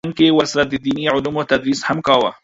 په څنګ کې یې ورسره د دیني علومو تدریس هم کاوه